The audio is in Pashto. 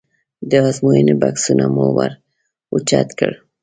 د ازموینې بکسونه مو ور اوچت کړل.